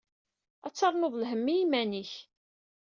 Ad d-ternuḍ lhemm i iman-ik.